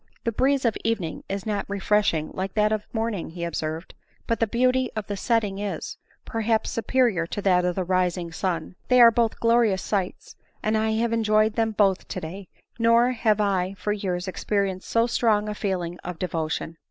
" The breeze of evening is not refreshing like that of morning," he observed ;" but the beauty of the setting is, perhaps, superior to that of the rising sun ; they are both glorious sights, and I have enjoyed them both today, nor have I for years experienced so strong a feeling of devotion."